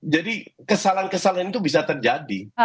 jadi kesalahan kesalahan itu bisa terjadi